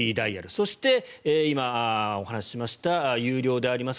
そして今、お話ししました有料であります